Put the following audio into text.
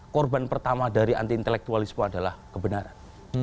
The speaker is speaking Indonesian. korban pertama dari anti intelektualisme adalah kebenaran